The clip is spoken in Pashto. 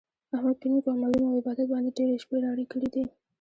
احمد په نېکو عملونو او عبادت باندې ډېرې شپې رڼې کړي دي.